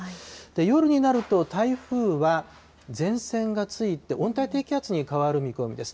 夜になると台風は前線がついて、温帯低気圧に変わる見込みです。